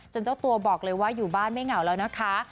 เจ้าตัวบอกเลยว่าอยู่บ้านไม่เหงาแล้วนะคะ